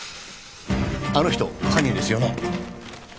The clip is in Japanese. あの人犯人ですよね